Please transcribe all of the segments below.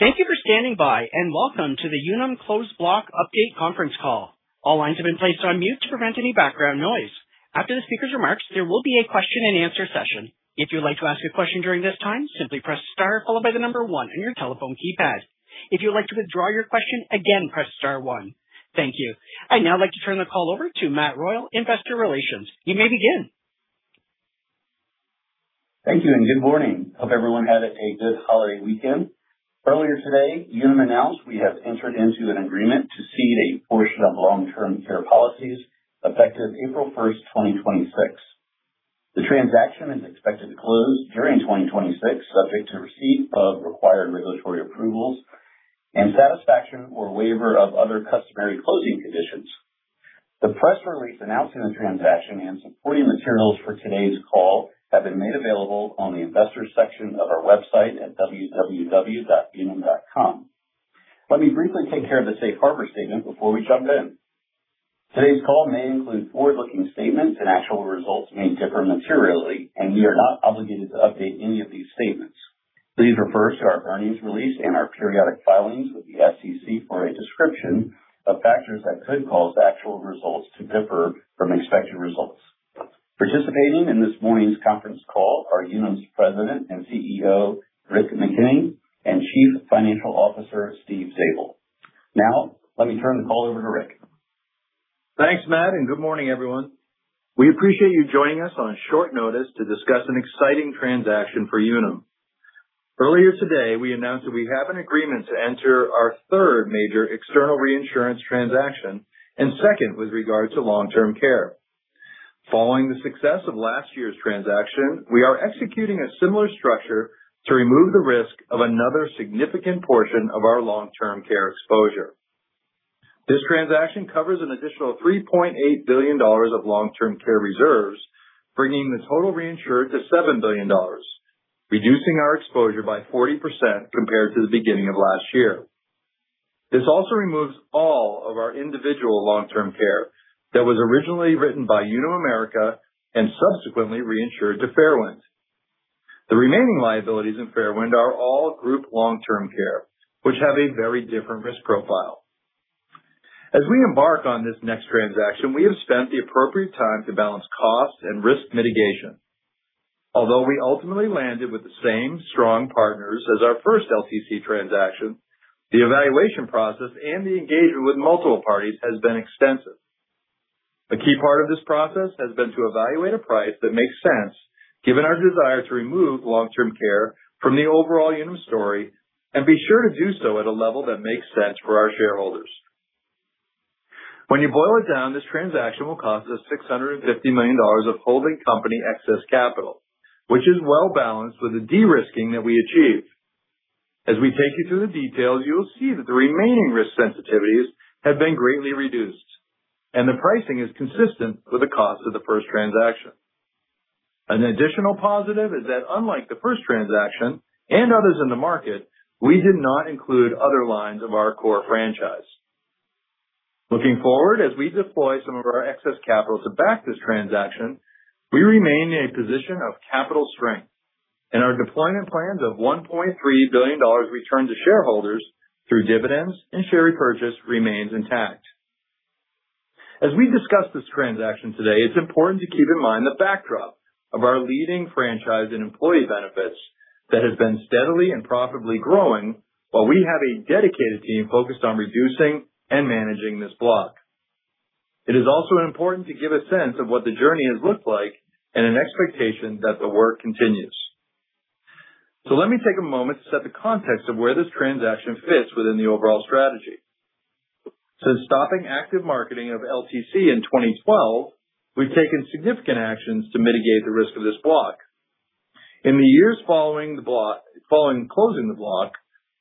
Thank you for standing by, and welcome to the Unum Close Block Update Conference Call. All lines have been placed on mute to prevent any background noise. After the speakers' remarks, there will be a question and answer session. If you would like to ask a question during this time, simply press star followed by the number one on your telephone keypad. If you would like to withdraw your question, again, press star one. Thank you. I'd now like to turn the call over to Matt Royal, Investor Relations. You may begin. Thank you. Good morning. Hope everyone had a good holiday weekend. Earlier today, Unum announced we have entered into an agreement to cede a portion of Long-Term Care policies effective April 1st, 2026. The transaction is expected to close during 2026, subject to receipt of required regulatory approvals and satisfaction or waiver of other customary closing conditions. The press release announcing the transaction and supporting materials for today's call have been made available on the investors section of our website at www.unum.com. Let me briefly take care of the safe harbor statement before we jump in. Today's call may include forward-looking statements. Actual results may differ materially. We are not obligated to update any of these statements. Please refer to our earnings release and our periodic filings with the SEC for a description of factors that could cause actual results to differ from expected results. Participating in this morning's conference call are Unum's President and CEO, Rick McKenney, and Chief Financial Officer, Steve Zabel. Now, let me turn the call over to Rick. Thanks, Matt. Good morning, everyone. We appreciate you joining us on short notice to discuss an exciting transaction for Unum. Earlier today, we announced that we have an agreement to enter our third major external reinsurance transaction and second with regard to Long-Term Care. Following the success of last year's transaction, we are executing a similar structure to remove the risk of another significant portion of our Long-Term Care exposure. This transaction covers an additional $3.8 billion of Long-Term Care reserves, bringing the total reinsured to $7 billion, reducing our exposure by 40% compared to the beginning of last year. This also removes all of our individual Long-Term Care that was originally written by Unum America and subsequently reinsured to Fairwind. The remaining liabilities in Fairwind are all group Long-Term Care, which have a very different risk profile. As we embark on this next transaction, we have spent the appropriate time to balance costs and risk mitigation. Although we ultimately landed with the same strong partners as our first LTC transaction, the evaluation process and the engagement with multiple parties has been extensive. A key part of this process has been to evaluate a price that makes sense given our desire to remove Long-Term Care from the overall Unum story, and be sure to do so at a level that makes sense for our shareholders. When you boil it down, this transaction will cost us $650 million of holding company excess capital, which is well-balanced with the de-risking that we achieve. As we take you through the details, you will see that the remaining risk sensitivities have been greatly reduced, and the pricing is consistent with the cost of the first transaction. An additional positive is that unlike the first transaction and others in the market, we did not include other lines of our core franchise. Looking forward, as we deploy some of our excess capital to back this transaction, we remain in a position of capital strength and our deployment plans of $1.3 billion returned to shareholders through dividends and share repurchase remains intact. As we discuss this transaction today, it's important to keep in mind the backdrop of our leading franchise and employee benefits that have been steadily and profitably growing while we have a dedicated team focused on reducing and managing this block. It is also important to give a sense of what the journey has looked like and an expectation that the work continues. So let me take a moment to set the context of where this transaction fits within the overall strategy. Since stopping active marketing of LTC in 2012, we've taken significant actions to mitigate the risk of this block. In the years following closing the block,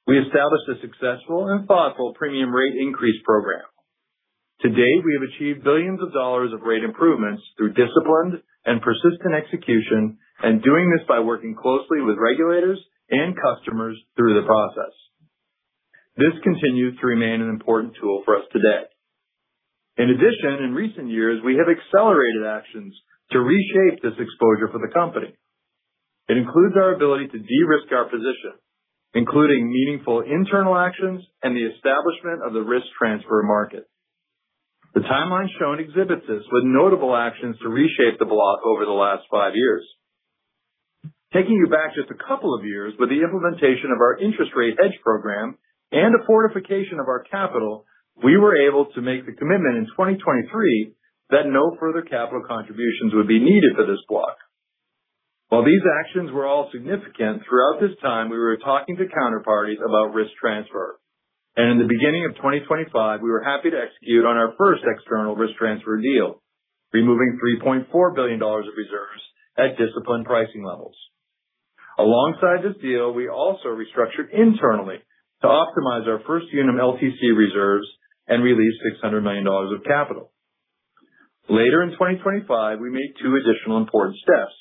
we established a successful and thoughtful premium rate increase program. To date, we have achieved billions of dollars of rate improvements through disciplined and persistent execution, and doing this by working closely with regulators and customers through the process. This continues to remain an important tool for us today. In addition, in recent years, we have accelerated actions to reshape this exposure for the company. It includes our ability to de-risk our position, including meaningful internal actions and the establishment of the risk transfer market. The timeline shown exhibits this with notable actions to reshape the block over the last five years. Taking you back just a couple of years with the implementation of our interest rate hedge program and the fortification of our capital, we were able to make the commitment in 2023 that no further capital contributions would be needed for this block. While these actions were all significant, throughout this time, we were talking to counterparties about risk transfer. In the beginning of 2025, we were happy to execute on our first external risk transfer deal, removing $3.4 billion of reserves at disciplined pricing levels. Alongside this deal, we also restructured internally to optimize our First Unum LTC reserves and release $600 million of capital. Later in 2025, we made two additional important steps.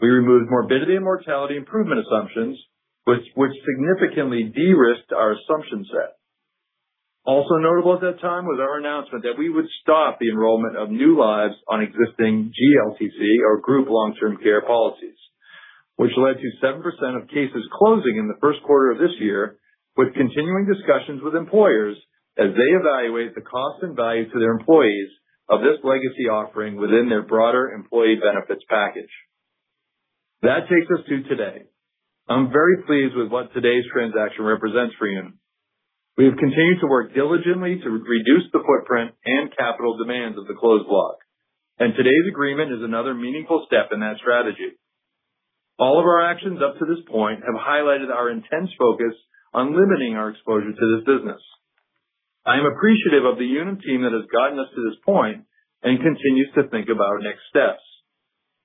We removed morbidity and mortality improvement assumptions, which significantly de-risked our assumption set. Also notable at that time was our announcement that we would stop the enrollment of new lives on existing GLTC or Group Long Term Care policies, which led to 7% of cases closing in the first quarter of this year, with continuing discussions with employers as they evaluate the cost and value to their employees of this legacy offering within their broader employee benefits package. That takes us to today. I am very pleased with what today's transaction represents for Unum. We have continued to work diligently to reduce the footprint and capital demands of the closed block, and today's agreement is another meaningful step in that strategy. All of our actions up to this point have highlighted our intense focus on limiting our exposure to this business. I am appreciative of the Unum team that has gotten us to this point and continues to think about our next steps.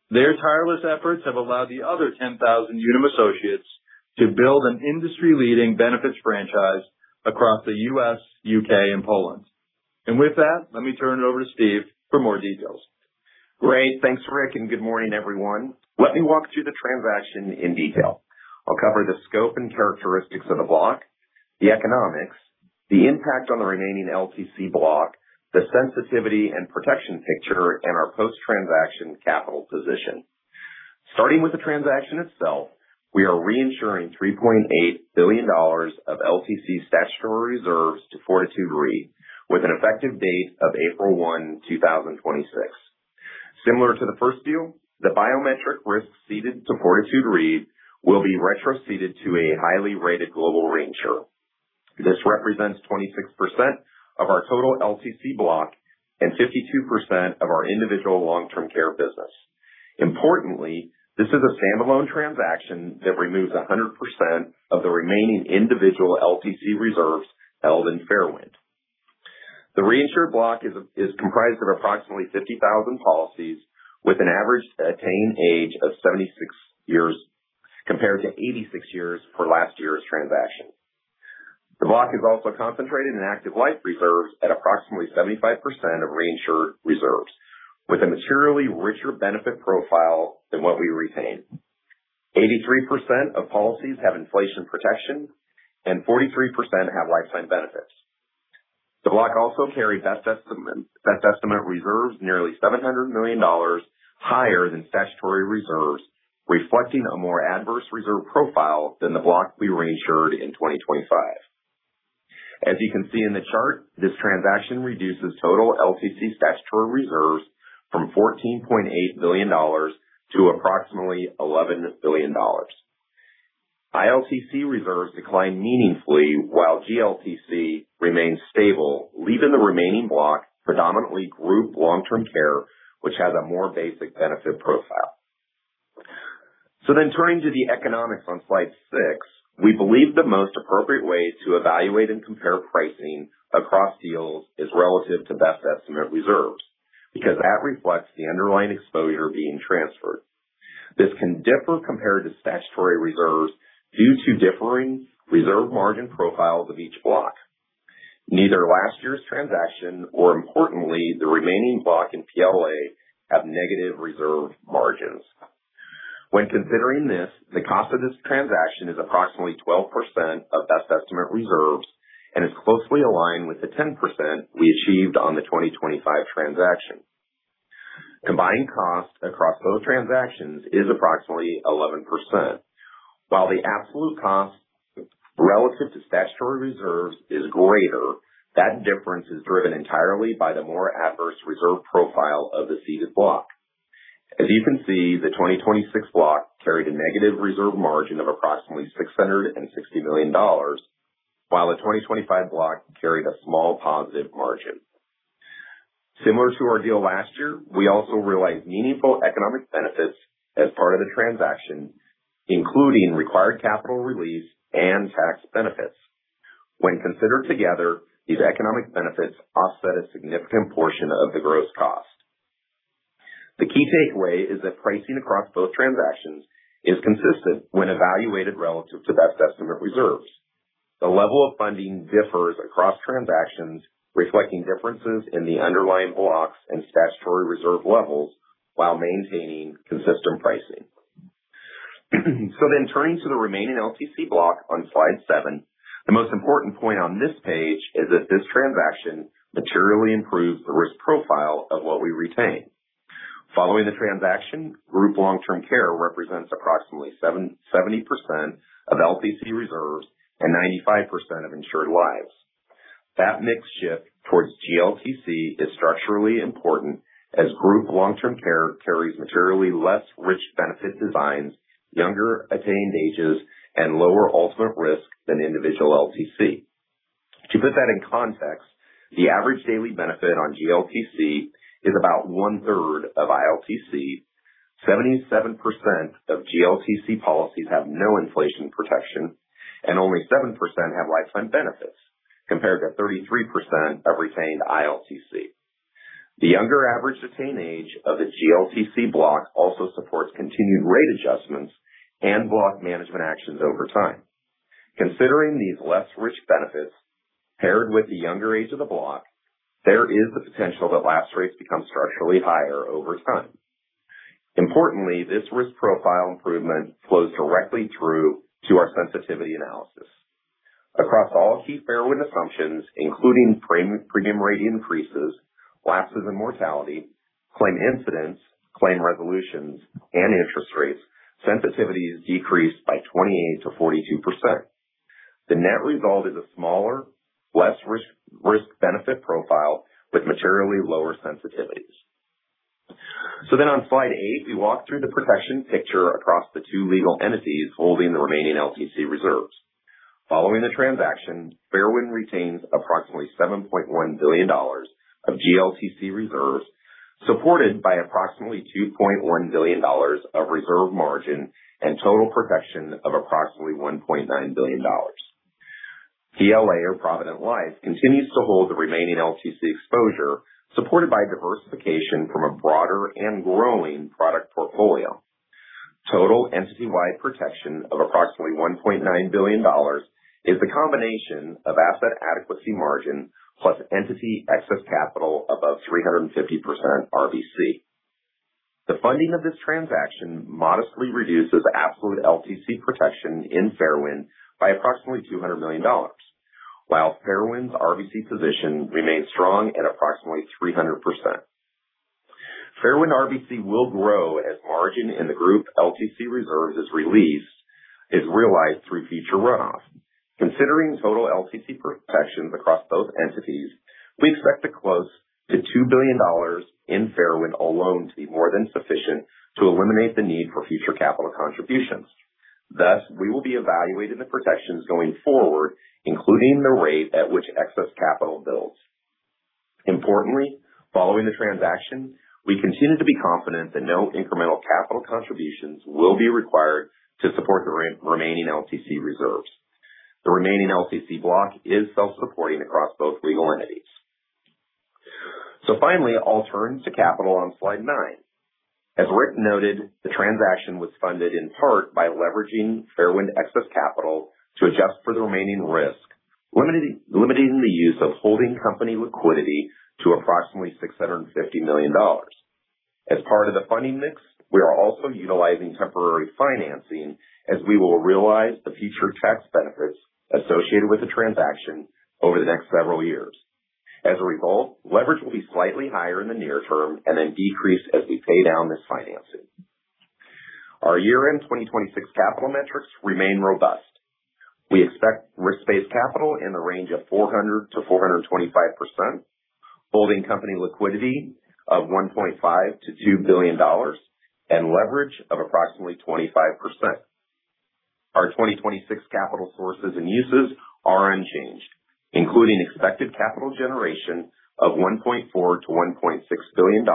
Their tireless efforts have allowed the other 10,000 Unum associates to build an industry-leading benefits franchise across the U.S., U.K., and Poland. With that, let me turn it over to Steve for more details. Great. Thanks, Rick, and good morning, everyone. Let me walk through the transaction in detail. I will cover the scope and characteristics of the block, the economics, the impact on the remaining LTC block, the sensitivity and protection picture, and our post-transaction capital position. Starting with the transaction itself, we are reinsuring $3.8 billion of LTC statutory reserves to Fortitude Re, with an effective date of April 1, 2026. Similar to the first deal, the biometric risk ceded to Fortitude Re will be retroceded to a highly rated global reinsurer. This represents 26% of our total LTC block and 52% of our individual Long-Term Care business. Importantly, this is a standalone transaction that removes 100% of the remaining individual LTC reserves held in Fairwind. The reinsured block is comprised of approximately 50,000 policies with an average attained age of 76 years, compared to 86 years for last year's transaction. The block is also concentrated in active life reserves at approximately 75% of reinsured reserves, with a materially richer benefit profile than what we retain. 83% of policies have inflation protection, and 43% have lifetime benefits. The block also carries best estimate reserves nearly $700 million higher than statutory reserves, reflecting a more adverse reserve profile than the block we reinsured in 2025. As you can see in the chart, this transaction reduces total LTC statutory reserves from $14.8 billion to approximately $11 billion. ILTC reserves decline meaningfully while GLTC remains stable, leaving the remaining block predominantly group Long-Term Care, which has a more basic benefit profile. Turning to the economics on slide six, we believe the most appropriate way to evaluate and compare pricing across deals is relative to best estimate reserves because that reflects the underlying exposure being transferred. This can differ compared to statutory reserves due to differing reserve margin profiles of each block. Neither last year's transaction or, importantly, the remaining block in PLA have negative reserve margins. When considering this, the cost of this transaction is approximately 12% of best estimate reserves and is closely aligned with the 10% we achieved on the 2025 transaction. Combined cost across both transactions is approximately 11%. While the absolute cost relative to statutory reserves is greater, that difference is driven entirely by the more adverse reserve profile of the ceded block. As you can see, the 2026 block carried a negative reserve margin of approximately $660 million, while the 2025 block carried a small positive margin. Similar to our deal last year, we also realized meaningful economic benefits as part of the transaction, including required capital release and tax benefits. When considered together, these economic benefits offset a significant portion of the gross cost. The key takeaway is that pricing across both transactions is consistent when evaluated relative to best estimate reserves. The level of funding differs across transactions, reflecting differences in the underlying blocks and statutory reserve levels while maintaining consistent pricing. Turning to the remaining LTC block on slide seven, the most important point on this page is that this transaction materially improves the risk profile of what we retain. Following the transaction, group Long-Term Care represents approximately 70% of LTC reserves and 95% of insured lives. That mix shift towards GLTC is structurally important as group Long-Term Care carries materially less rich benefit designs, younger attained ages, and lower ultimate risk than individual LTC. To put that in context, the average daily benefit on GLTC is about 1/3 of ILTC. 77% of GLTC policies have no inflation protection, and only 7% have lifetime benefits, compared to 33% of retained ILTC. The younger average attained age of the GLTC block also supports continued rate adjustments and block management actions over time. Considering these less rich benefits paired with the younger age of the block, there is the potential that lapse rates become structurally higher over time. Importantly, this risk profile improvement flows directly through to our sensitivity analysis. Across all key Fairwind assumptions, including premium rate increases, lapses in mortality, claim incidents, claim resolutions, and interest rates, sensitivities decreased by 28%-42%. The net result is a smaller, less risk benefit profile with materially lower sensitivities. On slide eight, we walk through the protection picture across the two legal entities holding the remaining LTC reserves. Following the transaction, Fairwind retains approximately $7.1 billion of GLTC reserves, supported by approximately $2.1 billion of reserve margin and total protection of approximately $1.9 billion. PLA or Provident Life continues to hold the remaining LTC exposure, supported by diversification from a broader and growing product portfolio. Total entity-wide protection of approximately $1.9 billion is the combination of asset adequacy margin plus entity excess capital above 350% RBC. The funding of this transaction modestly reduces absolute LTC protection in Fairwind by approximately $200 million, while Fairwind's RBC position remains strong at approximately 300%. Fairwind RBC will grow as margin in the group LTC reserves is realized through future runoff. Considering total LTC protections across both entities, we expect close to $2 billion in Fairwind alone to be more than sufficient to eliminate the need for future capital contributions. We will be evaluating the protections going forward, including the rate at which excess capital builds. Importantly, following the transaction, we continue to be confident that no incremental capital contributions will be required to support the remaining LTC reserves. The remaining LTC block is self-supporting across both legal entities. Finally, all turns to capital on slide nine. As Rick noted, the transaction was funded in part by leveraging Fairwind excess capital to adjust for the remaining risk, limiting the use of holding company liquidity to approximately $650 million. As part of the funding mix, we are also utilizing temporary financing as we will realize the future tax benefits associated with the transaction over the next several years. As a result, leverage will be slightly higher in the near term and then decrease as we pay down this financing. Our year-end 2026 capital metrics remain robust. We expect risk-based capital in the range of 400%-425%, holding company liquidity of $1.5 billion to $2 billion and leverage of approximately 25%. Our 2026 capital sources and uses are unchanged, including expected capital generation of $1.4 billion to $1.6 billion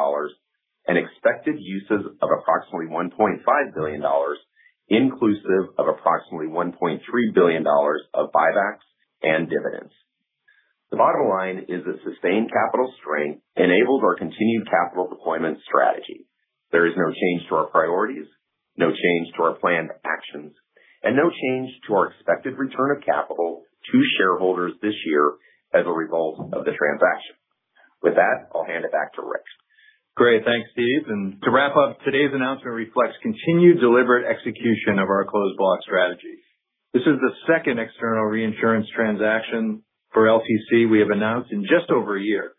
and expected uses of approximately $1.5 billion, inclusive of approximately $1.3 billion of buybacks and dividends. The bottom line is that sustained capital strength enables our continued capital deployment strategy. There is no change to our priorities, no change to our planned actions, and no change to our expected return of capital to shareholders this year as a result of the transaction. With that, I will hand it back to Rick. Great. Thanks, Steve. To wrap up, today's announcement reflects continued deliberate execution of our closed block strategy. This is the second external reinsurance transaction for LTC we have announced in just over a year.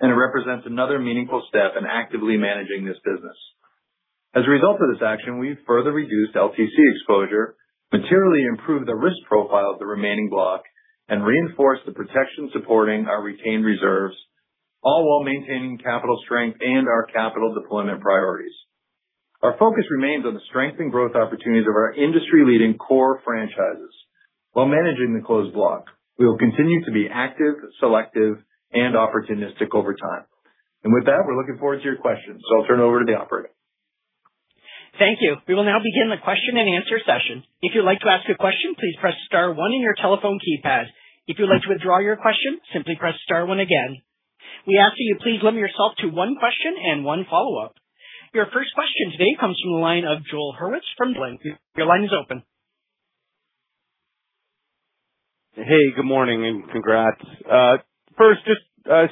It represents another meaningful step in actively managing this business. As a result of this action, we have further reduced LTC exposure, materially improved the risk profile of the remaining block, and reinforced the protection supporting our retained reserves, all while maintaining capital strength and our capital deployment priorities. Our focus remains on the strength and growth opportunities of our industry-leading core franchises. While managing the closed block, we will continue to be active, selective, and opportunistic over time. With that, we are looking forward to your questions, I will turn it over to the operator. Thank you. We will now begin the question and answer session. If you would like to ask a question, please press star one in your telephone keypad. If you would like to withdraw your question, simply press star one again. We ask that you please limit yourself to one question and one follow-up. Your first question today comes from the line of Joel Hurwitz from Dowling. Your line is open. Hey, good morning, and congrats. First,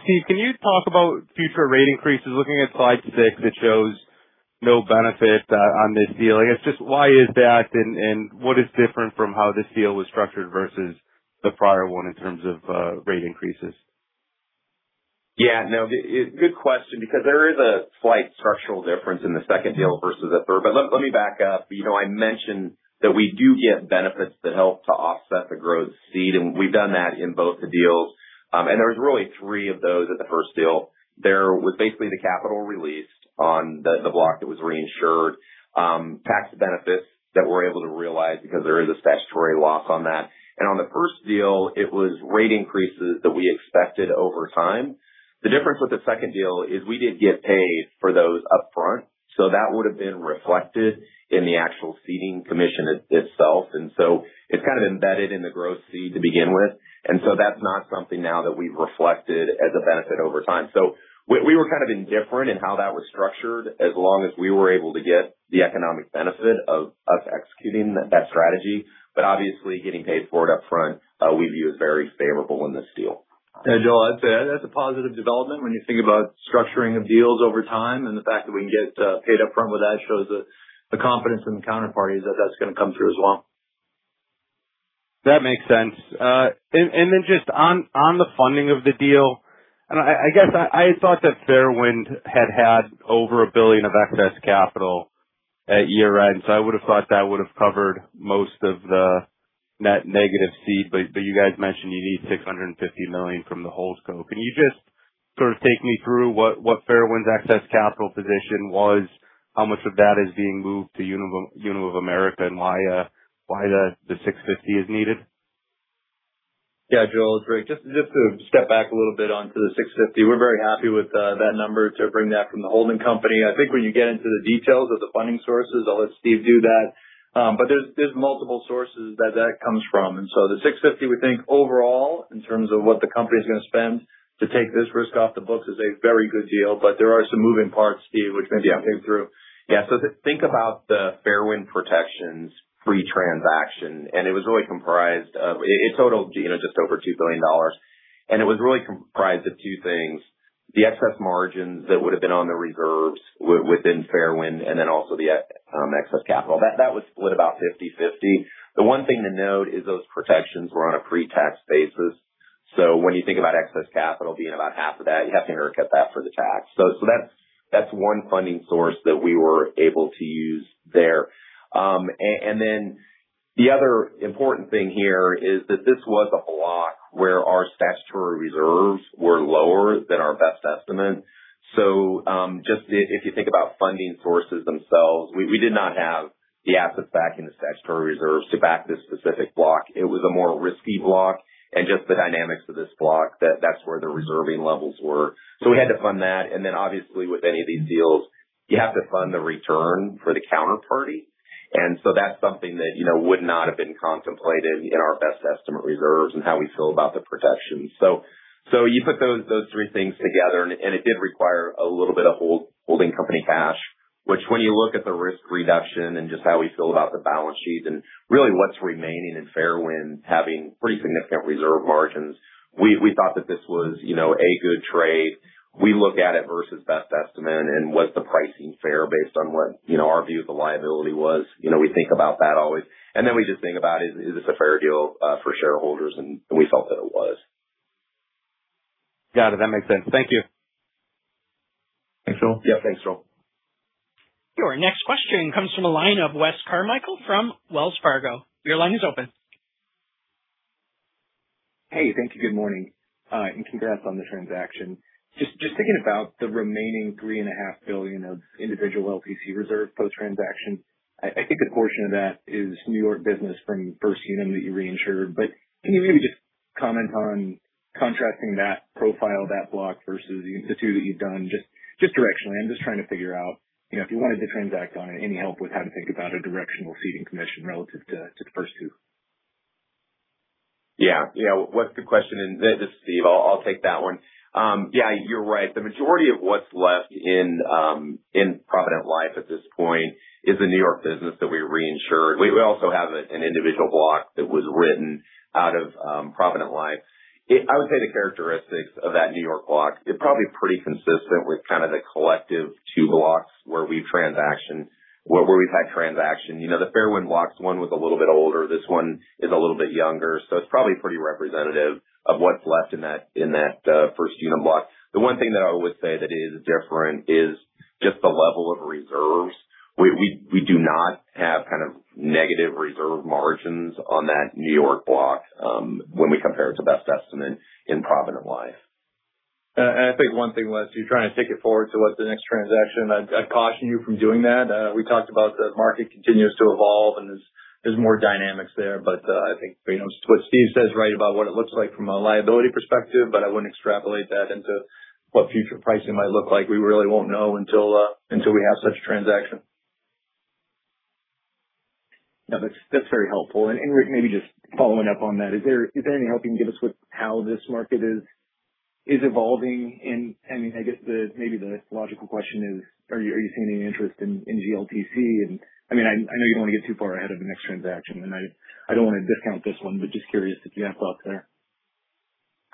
Steve, can you talk about future rate increases? Looking at slide six, it shows no benefit on this deal. I guess just why is that, and what is different from how this deal was structured versus the prior one in terms of rate increases? Yeah. No, good question because there is a slight structural difference in the second deal versus the third. Let me back up. I mentioned that we do get benefits that help to offset the growth cede, and we've done that in both the deals. There was really three of those at the first deal. There was basically the capital released on the block that was reinsured, tax benefits that we're able to realize because there is a statutory lock on that. On the first deal, it was rate increases that we expected over time. The difference with the second deal is we did get paid for those up front, so that would have been reflected in the actual ceding commission itself. So it's kind of embedded in the growth cede to begin with, so that's not something now that we've reflected as a benefit over time. We were kind of indifferent in how that was structured as long as we were able to get the economic benefit of us executing that strategy. Obviously, getting paid for it up front we view as very favorable in this deal. Yeah, Joel, I'd say that's a positive development when you think about structuring of deals over time, and the fact that we can get paid up front with that shows the confidence in the counterparty that that's going to come through as well. That makes sense. Then just on the funding of the deal, I guess I thought that Fairwind had had over $1 billion of excess capital at year-end, so I would have thought that would have covered most of the net negative cede, but you guys mentioned you need $650 million from the holdco. Can you just sort of take me through what Fairwind's excess capital position was, how much of that is being moved to Unum of America, and why the $650 million is needed? Yeah. Joel, great. Just to step back a little bit onto the $650 million. We're very happy with that number to bring that from the holding company. I think when you get into the details of the funding sources, I'll let Steve do that, but there's multiple sources that that comes from. The $650 million, we think, overall, in terms of what the company's going to spend to take this risk off the books is a very good deal. There are some moving parts, Steve, which maybe you can take through. Yeah. Think about the Fairwind protections pre-transaction, and it totaled just over $2 billion, and it was really comprised of two things, the excess margins that would have been on the reserves within Fairwind and then also the excess capital. That was split about 50/50. The one thing to note is those protections were on a pre-tax basis. When you think about excess capital being about half of that, you have to haircut that for the tax. That's one funding source that we were able to use there. The other important thing here is that this was a block where our statutory reserves were lower than our best estimate. Just if you think about funding sources themselves, we did not have the assets back in the statutory reserves to back this specific block. It was a more risky block. Just the dynamics of this block, that's where the reserving levels were. We had to fund that. Obviously with any of these deals, you have to fund the return for the counterparty. That's something that would not have been contemplated in our best estimate reserves and how we feel about the protection. You put those three things together, and it did require a little bit of holding company cash, which when you look at the risk reduction and just how we feel about the balance sheet and really what's remaining in Fairwind having pretty significant reserve margins, we thought that this was a good trade. We look at it versus best estimate and was the pricing fair based on what our view of the liability was. We think about that always. We just think about, is this a fair deal for shareholders? We felt that it was. Got it. That makes sense. Thank you. Thanks, Joel. Yeah. Thanks, Joel. Your next question comes from the line of Wes Carmichael from Wells Fargo. Your line is open. Hey, thank you. Good morning. Congrats on the transaction. Just thinking about the remaining $3.5 billion of individual LTC reserve post-transaction. I think a portion of that is New York business from First Unum that you reinsured, can you maybe just comment on contrasting that profile, that block, versus the two that you've done, just directionally? I'm just trying to figure out if you wanted to transact on it, any help with how to think about a directional ceding commission relative to the first two. Wes, this is Steve. I'll take that one. You're right. The majority of what's left in Provident Life at this point is the New York business that we reinsured. We also have an individual block that was written out of Provident Life. I would say the characteristics of that New York block is probably pretty consistent with kind of the collective two blocks where we've had transaction. The Fairwind blocks one was a little bit older, this one is a little bit younger, so it's probably pretty representative of what's left in that First Unum block. The one thing that I would say that is different is just the level of reserves. We do not have kind of negative reserve margins on that New York block when we compare it to best estimate in Provident Life. I think one thing, Wes, you're trying to take it forward to what the next transaction, I'd caution you from doing that. We talked about the market continues to evolve and there's more dynamics there, but I think what Steve says, right, about what it looks like from a liability perspective, but I wouldn't extrapolate that into what future pricing might look like. We really won't know until we have such transaction. No, that's very helpful. Maybe just following up on that, is there any help you can give us with how this market is evolving? I guess maybe the logical question is, are you seeing any interest in GLTC? I know you don't want to get too far ahead of the next transaction, and I don't want to discount this one, but just curious if you have thoughts there.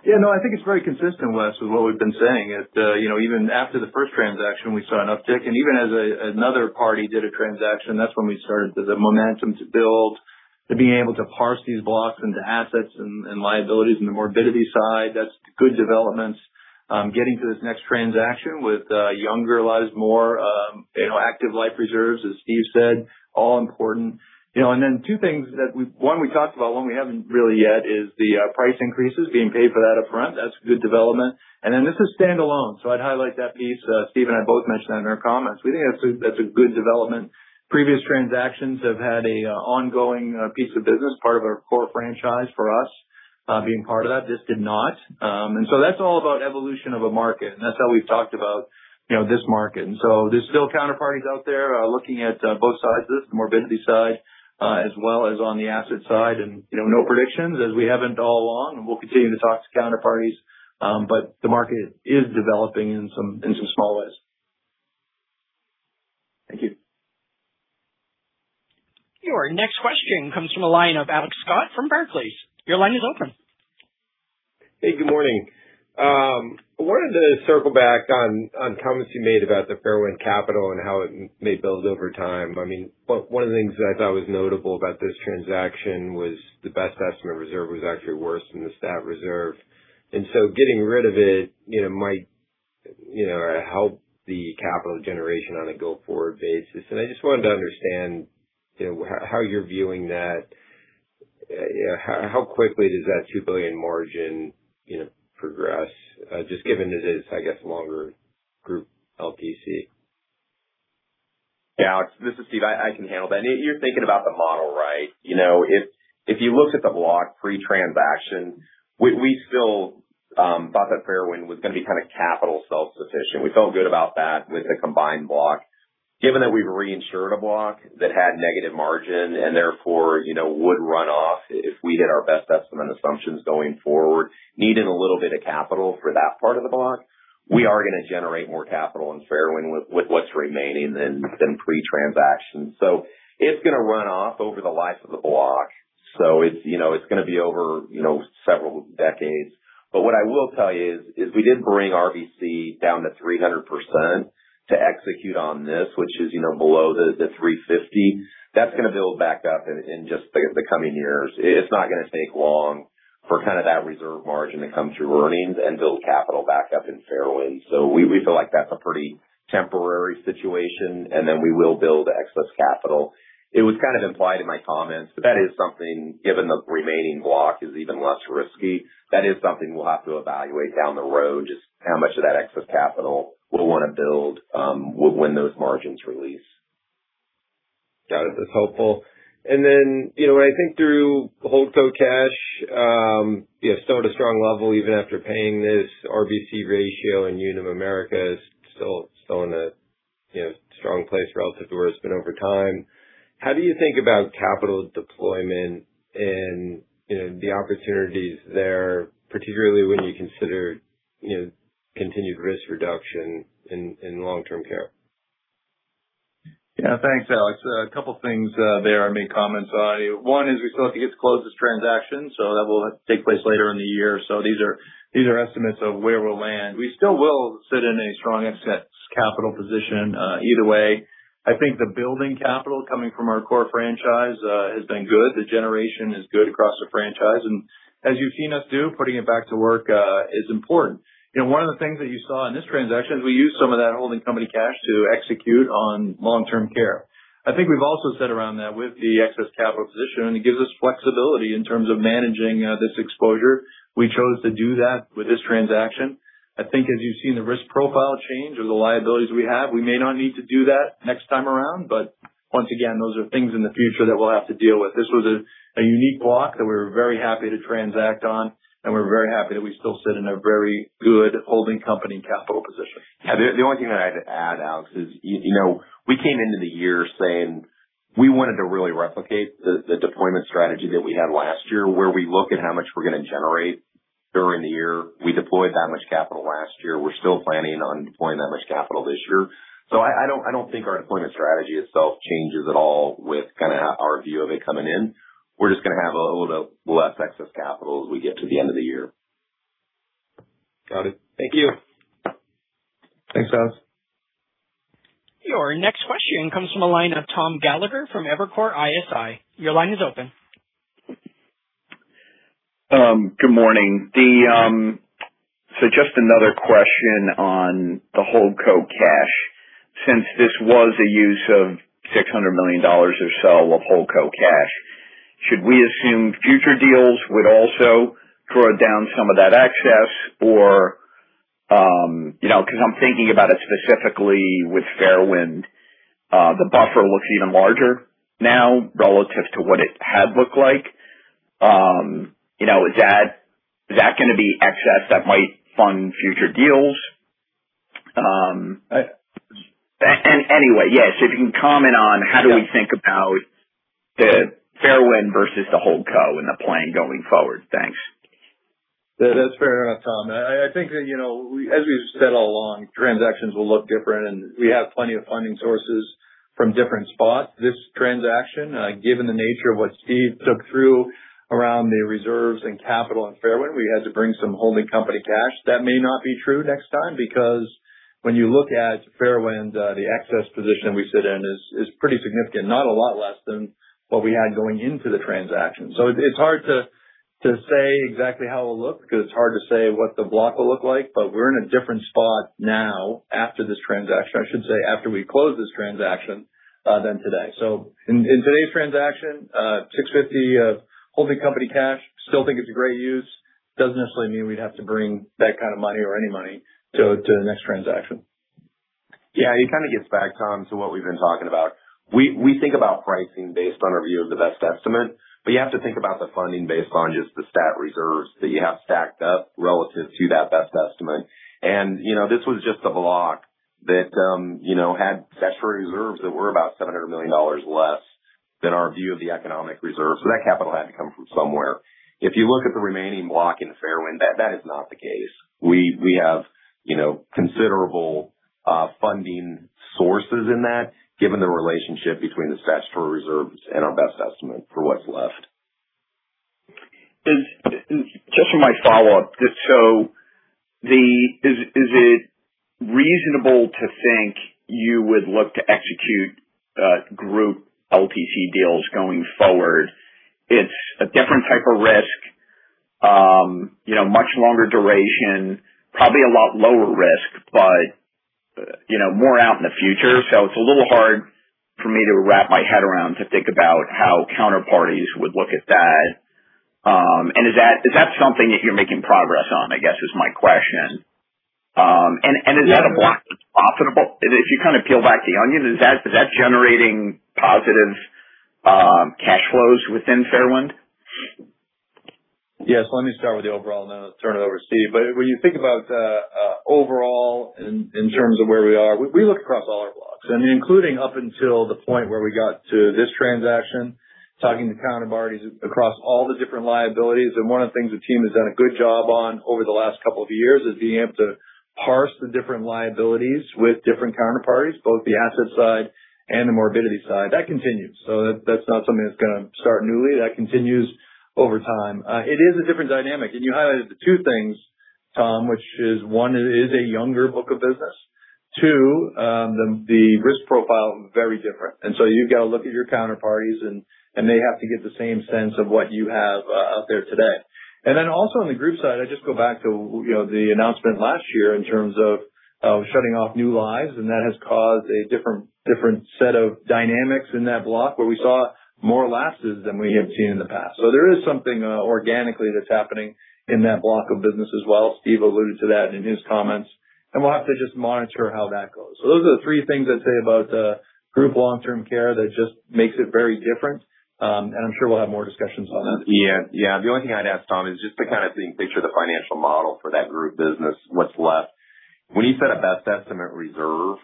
Yeah, no, I think it's very consistent, Wes, with what we've been saying. Even after the first transaction, we saw an uptick. Even as another party did a transaction, that's when we started the momentum to build, to being able to parse these blocks into assets and liabilities in the morbidity side. That's good developments. Getting to this next transaction with younger lives, more active life reserves, as Steve said, all important. Two things that we One we talked about, one we haven't really yet is the price increases being paid for that upfront. That's a good development. This is standalone, so I'd highlight that piece. Steve and I both mentioned that in our comments. We think that's a good development. Previous transactions have had an ongoing piece of business, part of our core franchise for us being part of that. This did not. So that's all about evolution of a market, and that's how we've talked about this market. So there's still counterparties out there looking at both sides of this, the morbidity side as well as on the asset side. No predictions as we haven't all along, and we'll continue to talk to counterparties, but the market is developing in some small ways. Thank you. Your next question comes from the line of Alex Scott from Barclays. Your line is open. Hey, good morning. I wanted to circle back on comments you made about the Fairwind capital and how it may build over time. One of the things that I thought was notable about this transaction was the best estimate reserve was actually worse than the stat reserve. So getting rid of it might help the capital generation on a go-forward basis. I just wanted to understand how you're viewing that. How quickly does that $2 billion margin progress, just given that it's longer group LTC? Yeah, this is Steve. I can handle that. You're thinking about the model right. If you looked at the block pre-transaction, we still thought that Fairwind was going to be kind of capital self-sufficient. We felt good about that with a combined block. Given that we've reinsured a block that had negative margin and therefore would run off if we hit our best estimate assumptions going forward, needing a little bit of capital for that part of the block, we are going to generate more capital in Fairwind with what's remaining than pre-transaction. It's going to run off over the life of the block. It's going to be over several decades. What I will tell you is, we did bring RBC down to 300% to execute on this, which is below the 350%. That's going to build back up in just the coming years. It's not going to take long for that reserve margin to come through earnings and build capital back up in Fairwind. We feel like that's a pretty temporary situation, we will build excess capital. It was kind of implied in my comments, but that is something, given the remaining block is even less risky, that is something we'll have to evaluate down the road, just how much of that excess capital we'll want to build when those margins release. Got it. That's helpful. When I think through holdco cash, still at a strong level, even after paying this RBC ratio, Unum America is still in a strong place relative to where it's been over time. How do you think about capital deployment and the opportunities there, particularly when you consider continued risk reduction in Long-Term Care? Yeah, thanks, Alex. A couple of things there I made comments on. One is we still have to get to close this transaction, that will take place later in the year. These are estimates of where we'll land. We still will sit in a strong excess capital position either way. I think the building capital coming from our core franchise has been good. The generation is good across the franchise. As you've seen us do, putting it back to work is important. One of the things that you saw in this transaction is we used some of that holding company cash to execute on Long-Term Care. I think we've also said around that with the excess capital position, it gives us flexibility in terms of managing this exposure. We chose to do that with this transaction. I think as you've seen the risk profile change or the liabilities we have, we may not need to do that next time around. Once again, those are things in the future that we'll have to deal with. This was a unique block that we were very happy to transact on, and we're very happy that we still sit in a very good holding company capital position. Yeah. The only thing that I'd add, Alex, is we came into the year saying we wanted to really replicate the deployment strategy that we had last year, where we look at how much we're going to generate during the year. We deployed that much capital last year. We're still planning on deploying that much capital this year. I don't think our deployment strategy itself changes at all with our view of it coming in. We're just going to have a little less excess capital as we get to the end of the year. Got it. Thank you. Thanks, Alex. Your next question comes from the line of Tom Gallagher from Evercore ISI. Your line is open. Good morning. Just another question on the holdco cash. Since this was a use of $600 million or so of holdco cash, should we assume future deals would also draw down some of that excess? Because I'm thinking about it specifically with Fairwind, the buffer looks even larger now relative to what it had looked like. Is that going to be excess that might fund future deals? Yeah. If you can comment on how do we think about the Fairwind versus the holdco in the plan going forward. Thanks. That's fair enough, Tom. I think as we've said all along, transactions will look different, and we have plenty of funding sources from different spots. This transaction, given the nature of what Steve took through around the reserves and capital in Fairwind, we had to bring some holding company cash. That may not be true next time because when you look at Fairwind, the excess position we sit in is pretty significant. Not a lot less than what we had going into the transaction. It's hard to say exactly how it will look because it's hard to say what the block will look like. We're in a different spot now after this transaction, I should say, after we close this transaction, than today. In today's transaction, $650 million holding company cash, still think it's a great use. Doesn't necessarily mean we'd have to bring that kind of money or any money to the next transaction. Yeah. It kind of gets back, Tom, to what we've been talking about. We think about pricing based on our view of the best estimate, but you have to think about the funding based on just the stat reserves that you have stacked up relative to that best estimate. This was just a block that had statutory reserves that were about $700 million less than our view of the economic reserve. That capital had to come from somewhere. If you look at the remaining block in Fairwind, that is not the case. We have considerable funding sources in that, given the relationship between the statutory reserves and our best estimate for what's left. Just for my follow-up, is it reasonable to think you would look to execute group LTC deals going forward? It's a different type of risk, much longer duration, probably a lot lower risk, but more out in the future. It's a little hard for me to wrap my head around to think about how counterparties would look at that. Is that something that you're making progress on, I guess is my question. Is that a block that's profitable? If you kind of peel back the onion, is that generating positive cash flows within Fairwind? Yes. Let me start with the overall and then I'll turn it over to Steve. When you think about overall in terms of where we are, we look across all our blocks, and including up until the point where we got to this transaction, talking to counterparties across all the different liabilities. One of the things the team has done a good job on over the last couple of years is being able to parse the different liabilities with different counterparties, both the asset side and the morbidity side. That continues. That's not something that's going to start newly. That continues over time. It is a different dynamic, and you highlighted the two things, Tom, which is one, it is a younger book of business. Two, the risk profile is very different. You've got to look at your counterparties, and they have to get the same sense of what you have out there today. Also on the group side, I just go back to the announcement last year in terms of shutting off new lives, and that has caused a different set of dynamics in that block where we saw more lapses than we have seen in the past. There is something organically that's happening in that block of business as well. Steve alluded to that in his comments. We'll have to just monitor how that goes. Those are the three things I'd say about group Long-Term Care that just makes it very different. I'm sure we'll have more discussions on that. Yeah. The only thing I'd add, Tom, is just to kind of think, picture the financial model for that group business, what's left. When you set a best estimate reserve,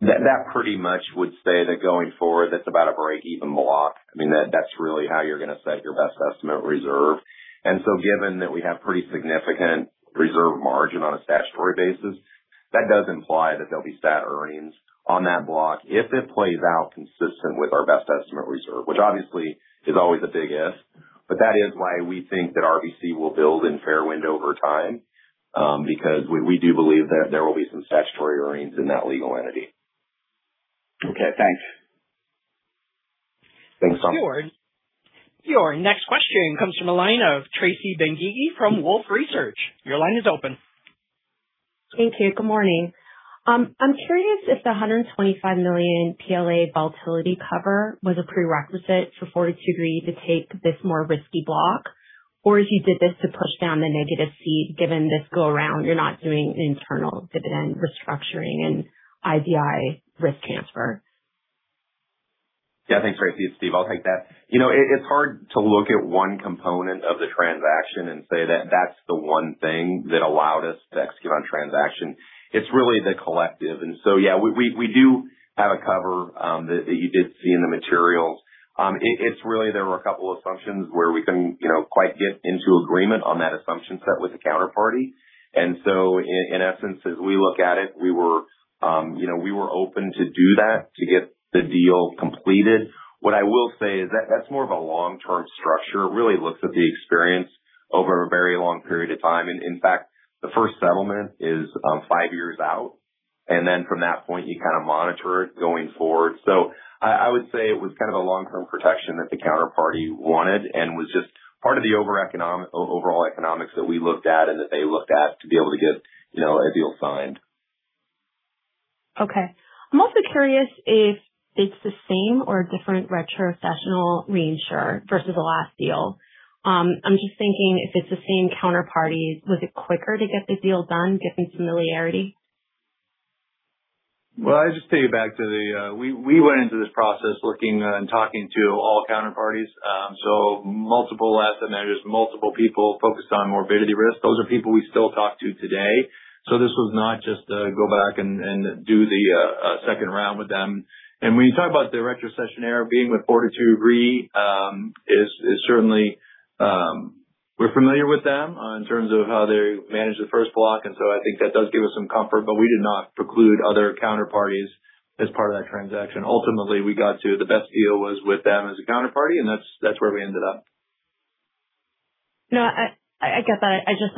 that pretty much would say that going forward, that's about a breakeven block. That's really how you're going to set your best estimate reserve. Given that we have pretty significant reserve margin on a statutory basis, that does imply that there'll be stat earnings on that block if it plays out consistent with our best estimate reserve, which obviously is always a big if. That is why we think that RBC will build in Fairwind over time, because we do believe that there will be some statutory earnings in that legal entity. Okay, thanks. Thanks, Tom. Your next question comes from the line of Tracy Benguigui from Wolfe Research. Your line is open. Thank you. Good morning. I'm curious if the $125 million PLA volatility cover was a prerequisite for Fortitude Re to take this more risky block or if you did this to push down the negative seed given this go around, you're not doing an internal dividend restructuring and IVI risk transfer. Yeah. Thanks, Tracy. It's Steve, I'll take that. It's hard to look at one component of the transaction and say that that's the one thing that allowed us to execute on transaction. It's really the collective. Yeah, we do have a cover, that you did see in the materials. It's really there were a couple assumptions where we couldn't quite get into agreement on that assumption set with the counterparty. In essence, as we look at it, we were open to do that to get the deal completed. What I will say is that's more of a long-term structure. Really looks at the experience over a very long period of time. In fact, the first settlement is five years out, and then from that point, you kind of monitor it going forward. I would say it was kind of a long-term protection that the counterparty wanted and was just part of the overall economics that we looked at and that they looked at to be able to get a deal signed. Okay. I'm also curious if it's the same or a different retrocessional reinsurer versus the last deal. I'm just thinking if it's the same counterparties, was it quicker to get the deal done given familiarity? Well, I'd just take you back to the. We went into this process looking and talking to all counterparties. Multiple asset managers, multiple people focused on morbidity risk. Those are people we still talk to today. This was not just a go back and do the second round with them. When you talk about the retrocessionaire being with Fortitude Re, is certainly we're familiar with them in terms of how they managed the first block, I think that does give us some comfort, but we did not preclude other counterparties as part of that transaction. Ultimately, we got to the best deal was with them as a counterparty, and that's where we ended up. No, I guess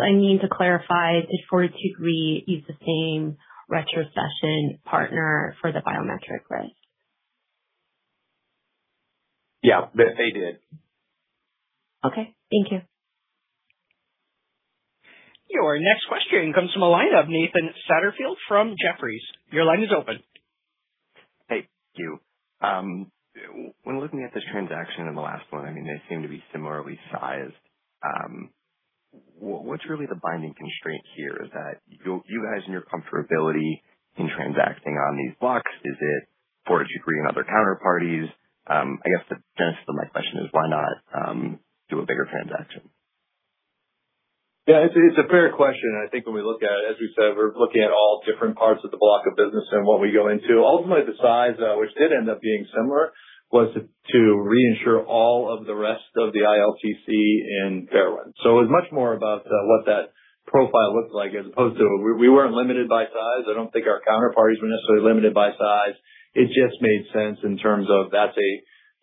I need to clarify, did Fortitude Re use the same retrocession partner for the biometric risk? Yeah, they did. Okay, thank you. Your next question comes from a line of Nathan Satterfield from Jefferies. Your line is open. Thank you. When looking at this transaction and the last one, they seem to be similarly sized. What's really the binding constraint here? Is that you guys and your comfortability in transacting on these blocks? Is it Fortitude Re and other counterparties? I guess the genesis of my question is why not do a bigger transaction? Yeah. I think when we look at it, as we said, we're looking at all different parts of the block of business and what we go into. Ultimately, the size, which did end up being similar, was to reinsure all of the rest of the ILTC in Fairwind. It was much more about what that profile looks like as opposed to we weren't limited by size. I don't think our counterparties were necessarily limited by size. It just made sense in terms of that's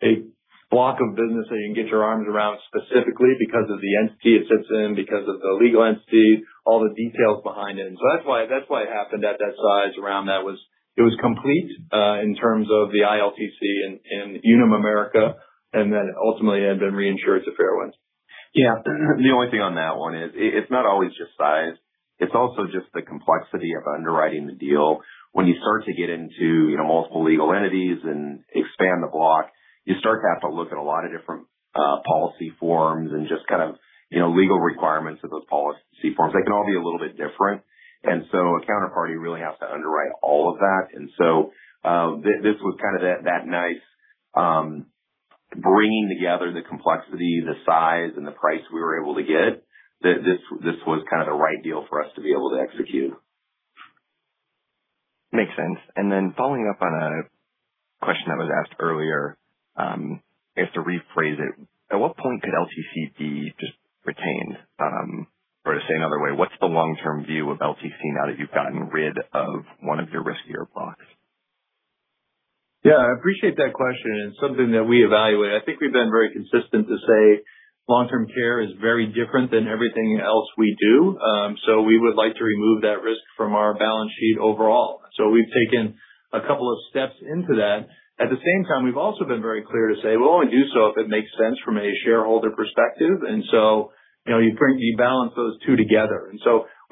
a block of business that you can get your arms around specifically because of the entity it sits in, because of the legal entity, all the details behind it. That's why it happened at that size around that was it was complete in terms of the ILTC and Unum America, it ultimately ended up in reinsurance at Fairwind. Yeah. The only thing on that one is it's not always just size. It's also just the complexity of underwriting the deal. When you start to get into multiple legal entities and expand the block, you start to have to look at a lot of different policy forms and just kind of legal requirements of those policy forms. They can all be a little bit different. A counterparty really has to underwrite all of that. This was kind of that nice bringing together the complexity, the size, and the price we were able to get that this was kind of the right deal for us to be able to execute. Makes sense. Following up on a question that was asked earlier, I have to rephrase it. At what point could LTC be just retained? Or to say another way, what's the long-term view of LTC now that you've gotten rid of one of your riskier blocks? Yeah, I appreciate that question, it's something that we evaluate. I think we've been very consistent to say Long-Term Care is very different than everything else we do. We would like to remove that risk from our balance sheet overall. We've taken a couple of steps into that. At the same time, we've also been very clear to say we'll only do so if it makes sense from a shareholder perspective. You balance those two together.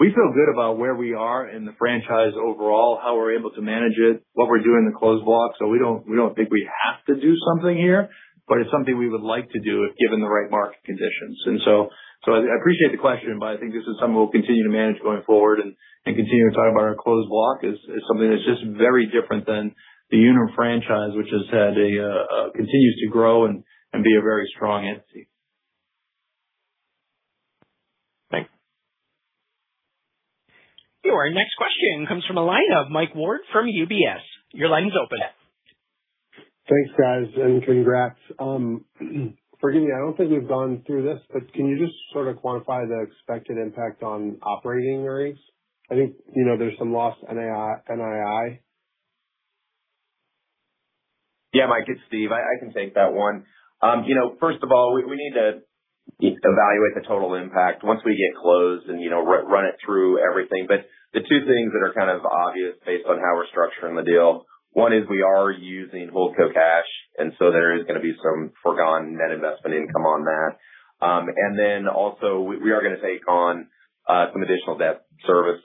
We feel good about where we are in the franchise overall, how we're able to manage it, what we're doing in the closed block. We don't think we have to do something here, but it's something we would like to do given the right market conditions. I appreciate the question, but I think this is something we'll continue to manage going forward and continue to talk about our closed block as something that's just very different than the Unum franchise, which continues to grow and be a very strong entity. Thanks. Your next question comes from a line of Mike Ward from UBS. Your line is open. Thanks, guys, and congrats. Forgive me, I don't think we've gone through this, but can you just sort of quantify the expected impact on operating rates? I think there's some lost NII. Yeah, Mike, it's Steve. I can take that one. First of all, we need to evaluate the total impact once we get closed and run it through everything. The two things that are kind of obvious based on how we're structuring the deal, one is we are using holdco cash, and so there is going to be some foregone net investment income on that. Also, we are going to take on some additional debt service.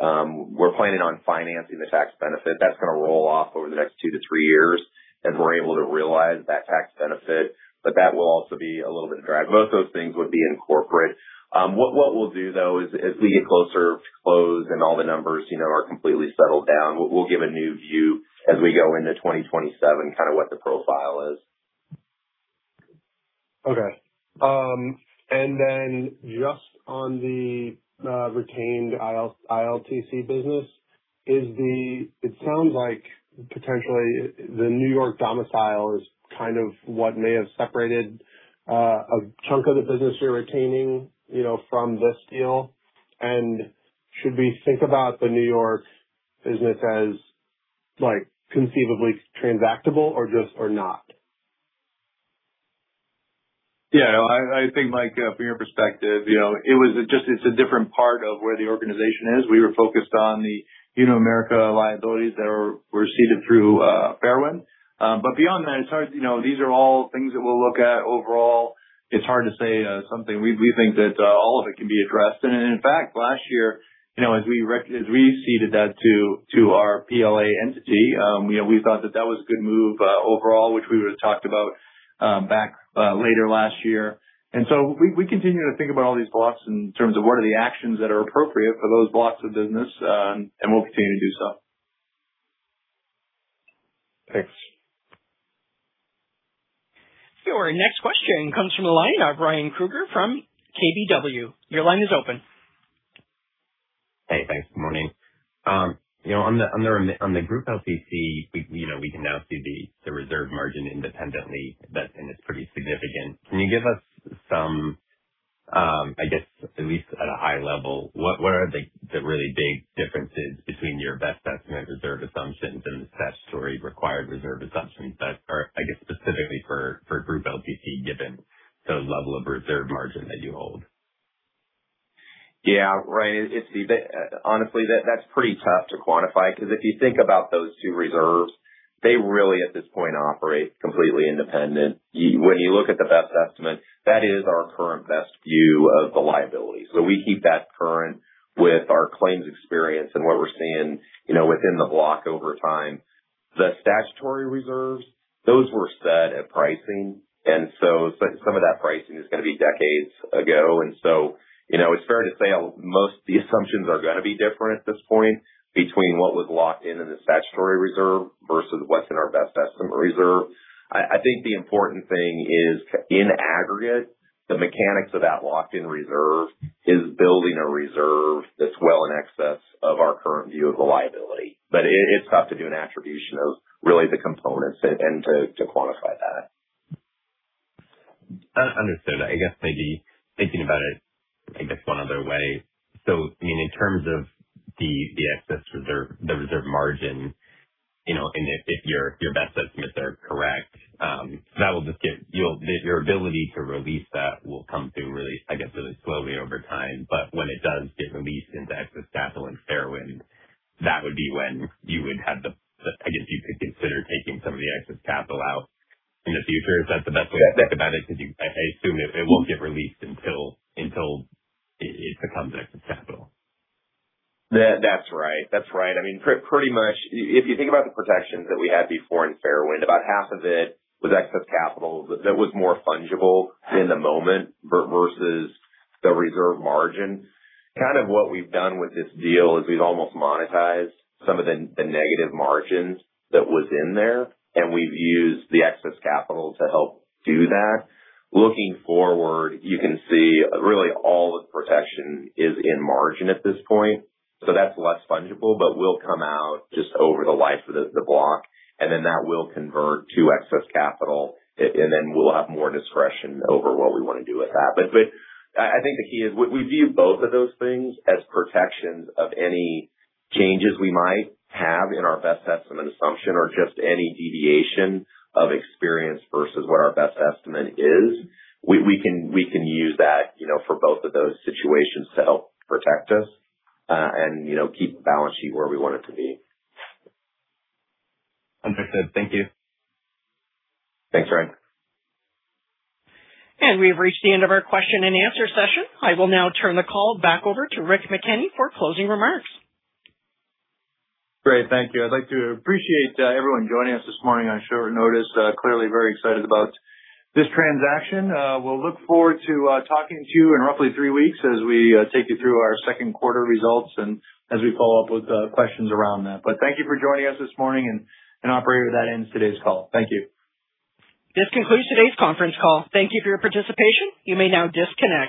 We're planning on financing the tax benefit. That's going to roll off over the next two to three years, and we're able to realize that tax benefit, but that will also be a little bit of drag. Both those things would be in corporate. What we'll do, though, is as we get closer to close and all the numbers are completely settled down, we'll give a new view as we go into 2027, kind of what the profile is. Okay. Then just on the retained ILTC business, it sounds like potentially the New York domicile is kind of what may have separated a chunk of the business you're retaining from this deal. Should we think about the New York business as conceivably transactable or not? Yeah. I think, Mike, from your perspective, it's a different part of where the organization is. We were focused on the Unum America liabilities that were ceded through Fairwind. Beyond that, these are all things that we'll look at overall. It's hard to say something. We think that all of it can be addressed. In fact, last year, as we ceded that to our PLA entity, we thought that that was a good move overall, which we would have talked about back later last year. So we continue to think about all these blocks in terms of what are the actions that are appropriate for those blocks of business, and we'll continue to do so. Thanks. Your next question comes from the line of Ryan Krueger from KBW. Your line is open. Hey, thanks. Good morning. On the group LTC, we can now see the reserve margin independently, and it's pretty significant. Can you give us some, I guess, at least at a high level, what are the really big differences between your best estimate reserve assumptions and the statutory required reserve assumptions that are, I guess, specifically for group LTC, given the level of reserve margin that you hold? Yeah. Right. Honestly, that's pretty tough to quantify, because if you think about those two reserves, they really at this point operate completely independent. When you look at the best estimate, that is our current best view of the liability. We keep that current with our claims experience and what we're seeing within the block over time. The statutory reserves, those were set at pricing, some of that pricing is going to be decades ago, it's fair to say most the assumptions are going to be different at this point between what was locked in in the statutory reserve versus what's in our best estimate reserve. I think the important thing is in aggregate, the mechanics of that locked-in reserve is building a reserve that's well in excess of our current view of the liability. It's tough to do an attribution of really the components and to quantify that. Understood. I guess maybe thinking about it, I guess, one other way. I mean, in terms of the excess reserve margin, and if your best estimates are correct, your ability to release that will come through really, I guess, slowly over time. When it does get released into excess capital in Fairwind, that would be when you would have I guess you could consider taking some of the excess capital out in the future. Is that the best way to think about it? I assume it won't get released until it becomes excess capital. That's right. I mean, pretty much if you think about the protections that we had before in Fairwind, about half of it was excess capital that was more fungible in the moment versus the reserve margin. Kind of what we've done with this deal is we've almost monetized some of the negative margins that was in there, and we've used the excess capital to help do that. Looking forward, you can see really all the protection is in margin at this point. That's less fungible, but will come out just over the life of the block, and then that will convert to excess capital, and then we'll have more discretion over what we want to do with that. I think the key is we view both of those things as protections of any changes we might have in our best estimate assumption or just any deviation of experience versus what our best estimate is. We can use that for both of those situations to help protect us, and keep the balance sheet where we want it to be. Understood. Thank you. Thanks, Ryan. We've reached the end of our question and answer session. I will now turn the call back over to Rick McKenney for closing remarks. Great. Thank you. I'd like to appreciate everyone joining us this morning on short notice. Clearly very excited about this transaction. We'll look forward to talking to you in roughly three weeks as we take you through our second quarter results and as we follow up with questions around that. Thank you for joining us this morning, and operator, that ends today's call. Thank you. This concludes today's conference call. Thank you for your participation. You may now disconnect.